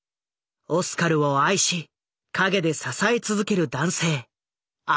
オスカルを愛し陰で支え続ける男性アンドレだ。